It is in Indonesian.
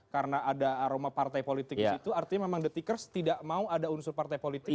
karena ada aroma partai politik di situ artinya memang the tickers tidak mau ada unsur partai politik